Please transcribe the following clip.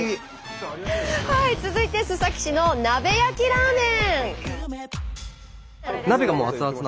続いて須崎市の鍋焼きラーメン。